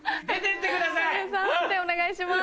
判定お願いします。